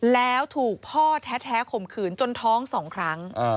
แล้วถูกพ่อแท้ข่มขืนจนท้อง๒ครั้ง